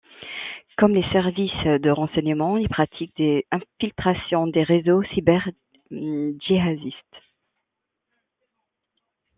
Comme les services de renseignement, ils pratiquent des infiltrations des réseaux cyber-djihadistes.